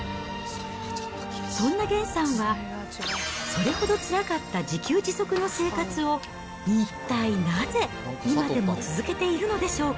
そんなげんさんは、それほどつらかった自給自足の生活を、一体なぜ、今でも続けていおばあちゃん！